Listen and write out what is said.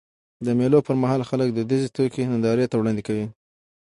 د مېلو پر مهال خلک دودیزي توکي نندارې ته وړاندي کوي.